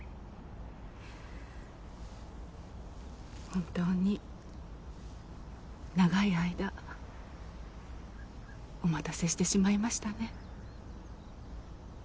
本当に長い間お待たせしてしまいましたね。